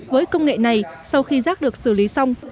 với công nghệ này sau khi rác được xử lý xong